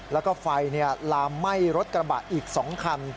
แล้วก็ไฟลามไหม้รถกระบะอีก๒คัน